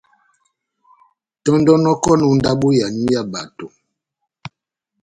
Tɔ́ndɔnɔkɔni ó ndábo yanywu ya bato.